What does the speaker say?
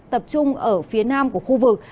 tập trung ở phía nam của khu vực